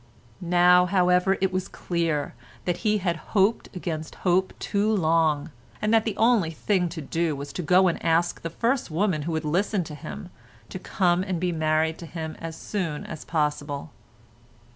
Now, however, it was clear that he had hoped against hope too long, and that the only thing to do was to go and ask the first woman who would listen to him to come and be married to him as soon as possible.